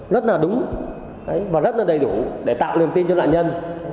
rất là đúng và rất là đầy đủ để tạo niềm tin cho nạn nhân